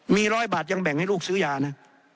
มีร้อยบาทยังแบ่งให้ลูกซื้อยานะ